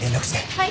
はい！